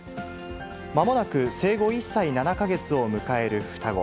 まもなく生後１歳７か月を迎える双子。